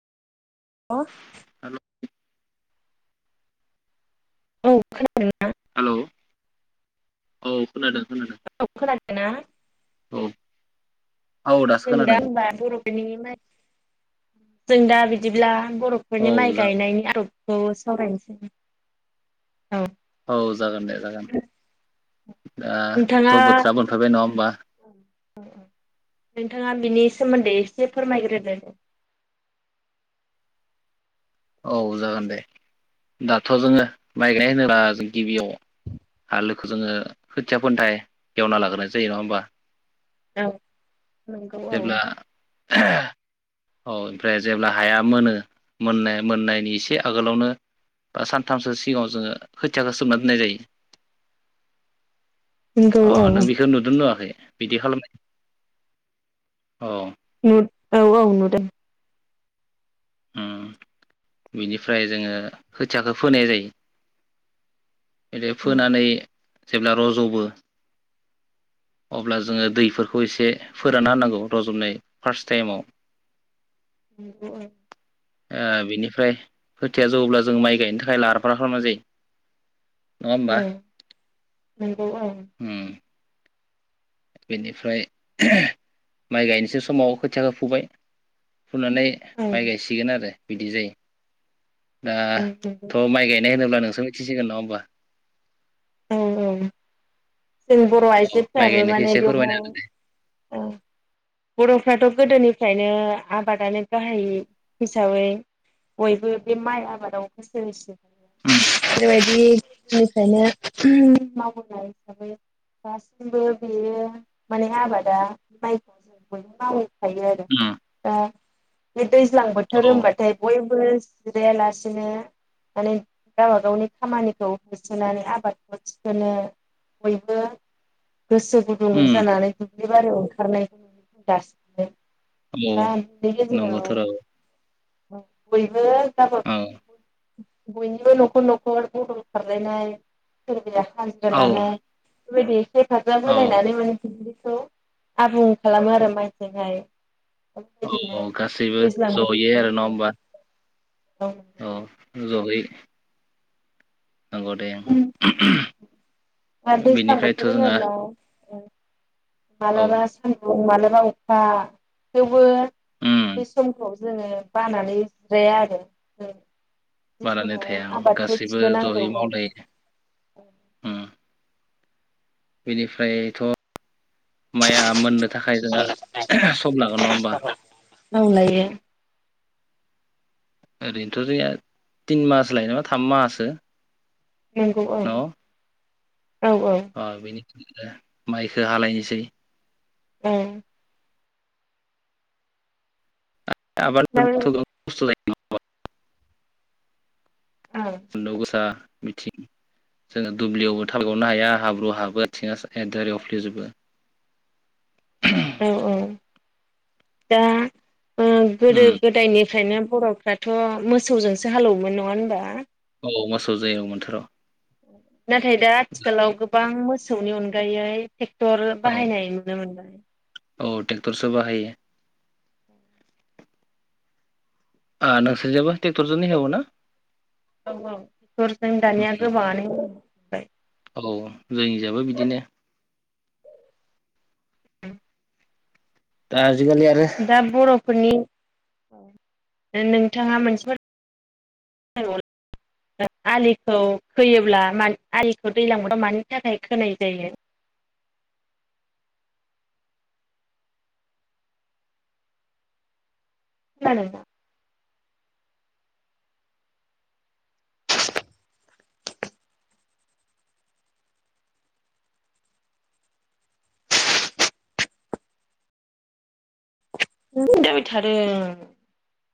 अ हेल' औ हेलौ औ खोनादों खोनादों। खोनादों ना औ औ दासो नों दा खोनादों होमबा बर'फोरनि माय जों दा बिदिब्ला औ बर'फोरनि माइ जा गायनायनि आदब ब सावरायनोसै। औ औ जागोन दे जागोन। दा नोंथाङा थ' बोथ्रााब मोनफायबाय नङा होमबा। नोंथाङा बिनि सोमोन्दै एसे फोरमायग्रोदो। औ जागोन दे दाथ' जोङो माइ गायनाय होनोब्ला ज गिबियाव हालोखौ जोङो खोथिया फोनथाय एवना लाग्रोनाय जायो नङा होनबा। औ नोंगौ औ जेब्ला औ ओमफ्राय जेब्ला हाया मोनो मोननाय मोननायनि एसे आगोलावनो बा सानथामसो सिगाङाव जोङो खोथियाखौ सोमना दोननाय जायो। नंगौ अ औ नों बेखौ नुदों नुवाखै? बिदि खालामबाय औ नु औ औ नुदों। उम बिनिफ्राय जोङो खोथियाखौ फोनाय जायो। बिदि फोनानै जेब्ला रज'बो अब्ला जोङो दैफोरखौ एसे फोरानना होननांगौ रज'नाय फार्स्ट टाइमाव नंगौ ओ आ बिनिफ्राय खोथिया जौब्ला जों माइ गायनो थाखाय लाहार फाहार खालामनाय जायो। नङा औ होमबा नंगौ औ उम बेनिफ्राय माइ गायनोसै समाव खोथियाखौ फुबाय। फुनानै माइ गायसिगोन आरो। बिदि जायो। नंगौ दाथ' माइ गायनाय होनोब्ला नों सोंथिसिगोन ना अब्ला। औ औ। जों बर' औ माइ आइजोफ्राबो गायनायखौ माने एसे फोरमायना बेवहाय ओ बर'फ्राथ' गोदोनिफ्रायनो आबादानो गाहाय हिसाबै बयबो बे माइ आबादाव गोसो होसै। उम बेबायदि। निफ्रायनो। मावनाय हिसाबै दासिमबो बेयो माने आबादा माइखौ जों बयबो मावो। थायो आरो उम दा। बे दैज्लां औ बोथोर होनबाथाय बय फोलेस जिरायालासेनो माने गावबा गावनि खामानिखौ होसोनानै आबाद। ओ थिखोनो बयबो। गोसो गुदुं उम जानानै। एखेबारे ओंखारनाय दासिनो। औ दा [inaudible] नंगौथ' र' औ बयबो गावबागा। बयनिबो न'खर न'खर मथर खारलायनाय सोरबाया। हांसो औ लानाय। बादि। हेफाजाब औ होलायनानै माने बिदि। आबुं खालामो आरो माइजोंहाय। औ बेबायदिनो औ गासैबो दैज्लां जयै। बोथोरखौ आरो नङा औ होमबा। औ जहै। नंगौ दे। आर दैज्लां बेनिफ्रायथ' बोथोर जोंहा होनोब्ला। औ मालाबा सान। मालाबा अखा थेवबो। उम बेसमखौ। जोङो बानानै जिराया आरो। जि बानानै समाव थाया ओम आबादखौ गासैबो थिखोनांगौ जयै औ मावलायो ओम। बेनिफ्रायथ' माइया मोननो। थाखाय जोंहा सम लागोन नङा हबा। मावलायो ओरैनोथ' जोंनिया तिन माहासो लायो नामा थाम माहासो । नंगौ औ । औ औ अ बेनि माइखो हालायनोसै अ आबाद दा [unintelligible] [inaudible] औ सान्दुं गोसा बिथिं जोंङो दुब्लियावबो थाबायबावनो हाया हाब्रुवाव हाबो आथिंङा रिवफ्ले जोबो । औ औ दा ओ उम गोदो गोदायनिफ्रायनो बर'फ्राथ' मोसौजोंसो हालौवोमोन नङा होनबा? औ मोसौजो एवोमोन मोन थर । नाथाय दा आथिखालाव गोबां मोसौनि अनगायै ट्रेक्टर औ बाहायनाय नुनो मोनबाय । औ ट्रेक्टरसो बाहायो । ओ नोंसोरजा बो ट्रेक्टरजोंनो हेवो ना? औ ट्रेक्टरजों दानिया गोबाङानो बाय औ जोंनिजाबो बिदिनो दा आजिखालि आरो दा बर'फोरनि नोंथांङा मोनसे [inaudible] आलिखौ खोयोब्ला मानि आलिखौ दैज्लां बाथोराव मानि थाखाय खोनाय जायो? खोनादोंना? मा जाबाय थादों?